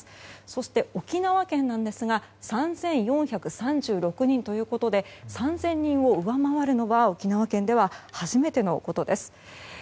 そして沖縄県ですが３４３６人ということで３０００人を上回るのは沖縄県では初めてのことです。